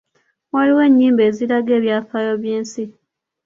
Waliwo ennyimba eziraga ebyafaayo by'ensi.